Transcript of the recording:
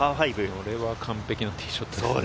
これは完璧なティーショットですね。